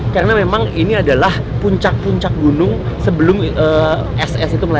karena memang ini adalah puncak puncak gunung sebelum es es itu meleleh